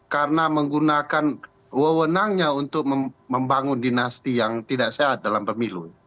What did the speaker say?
karena menggunakan wewenangnya untuk membangun dinasti yang tidak sehat dalam pemilu